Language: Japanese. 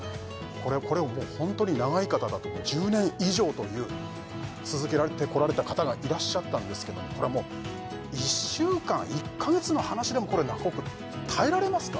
これもうホントに長い方だと１０年以上という続けてこられた方がいらっしゃったんですけどもこれはもう１週間１か月の話でも耐えられますか？